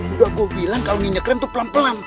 udah gue bilang kalau nginjek rem itu pelan pelan